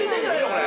これ。